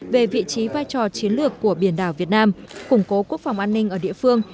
về vị trí vai trò chiến lược của biển đảo việt nam củng cố quốc phòng an ninh ở địa phương